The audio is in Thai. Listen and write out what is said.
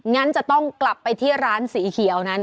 งั้นจะต้องกลับไปที่ร้านสีเขียวนั้น